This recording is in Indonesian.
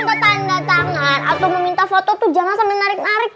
atau meminta foto foto jangan sampai menarik